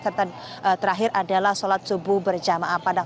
yang terakhir adalah sholat subuh berjamaah